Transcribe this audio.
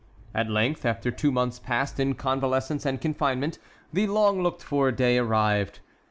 At length, after two months passed in convalescence and confinement, the long looked for day arrived.